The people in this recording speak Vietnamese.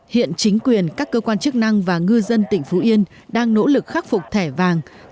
hiện chính quyền các cơ quan chức năng và ngư dân tỉnh phú yên đang nỗ lực khắc phục thẻ vàng